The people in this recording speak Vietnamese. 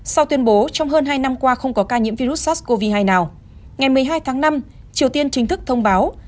sau tuyên bố trong hơn hai năm qua không có ca nhiễm virus sars cov hai nào ngày một mươi hai tháng năm triều tiên chính thức thông báo